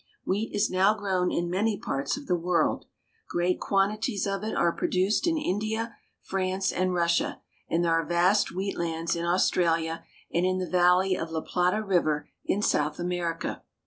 Wheat is now grown in many parts of the world. Great quan tities of it are produced in India, France, and Russia, and there are vast wheat lands in AustraHa and in the valley of La Plata River in South America.